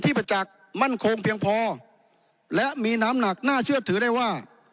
ประจักษ์มั่นคงเพียงพอและมีน้ำหนักน่าเชื่อถือได้ว่า